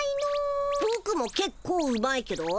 ぼくもけっこううまいけど。